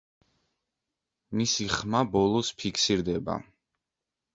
მისი ხმა ბოლოს ფიქსირდება.